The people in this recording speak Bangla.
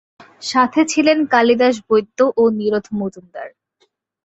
সাথে ছিলেন কালিদাস বৈদ্য ও নিরোধ মজুমদার।